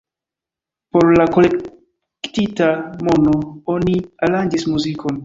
Por la kolektita mono oni aranĝis muzikon.